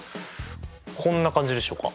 こんな感じでしょうか。